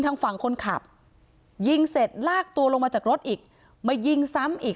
ทางฝั่งคนขับยิงเสร็จลากตัวลงมาจากรถอีกมายิงซ้ำอีก